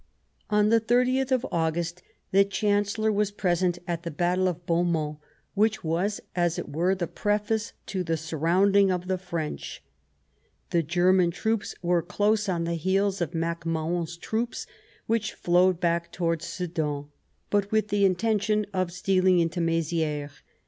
On the 30th of August the Chancellor was present at the Battle of Beaumont, which was, as it were, the preface to the surrounding of the French. The German armies were close on the heels of Mac Mahon's troops, which flowed back towards Sedan, but with the intention of stealing into Mezieres.